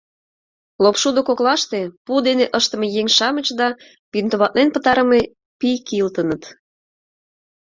Лопшудо коклаште пу дене ыштыме еҥ-шамыч да бинтоватлен пытарыме пий кийылтыныт.